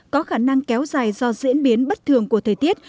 có khả năng kéo dài do diễn biến bất thường của thời tiết